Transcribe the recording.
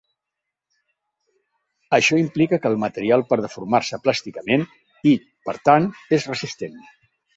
Això implica que el material por deformar-se plàsticament i, per tant, és resistent.